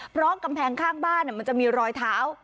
เพราะกำแพงข้างบ้านมันจะมีรอยเท้า